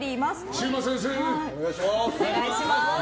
シウマ先生、お願いします。